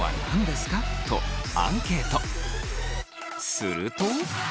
すると。